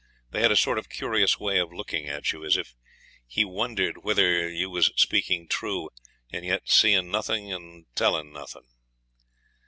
They had a sort of curious way of looking at you, as if he wondered whether you was speaking true, and yet seein' nothing and tellin' nothing.